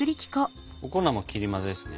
お粉も切り混ぜですね。